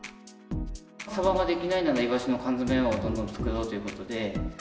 サバができないならイワシの缶詰をどんどん作ろうということで。